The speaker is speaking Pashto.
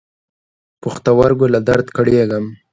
پښتورګو له درد کړېږم.